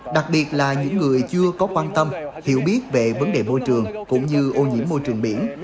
đặc biệt là những người chưa có quan tâm hiểu biết về vấn đề môi trường cũng như ô nhiễm môi trường biển